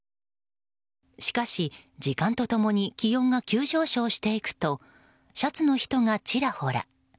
しかし、時間と共に気温が急上昇していくとシャツの人がちらほら。